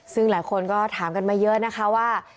ซึ่งหลายคนก็ถามกันมาเยอะนะคะว่า